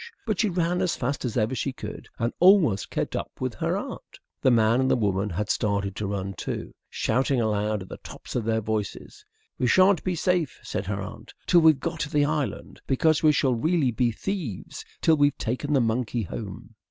But she ran as fast as ever she could, and almost kept up with her aunt. The man and the woman had started to run too, shouting aloud at the tops of their voices. "We shan't be safe," said her aunt, "till we've got to the island; because we shall really be thieves till we've taken the monkey home."